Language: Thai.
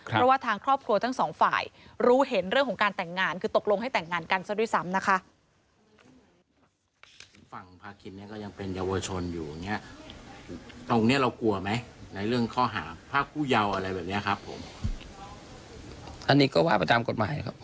เพราะว่าทางครอบครัวทั้งสองฝ่ายรู้เห็นเรื่องของการแต่งงานคือตกลงให้แต่งงานกันซะด้วยซ้ำนะคะ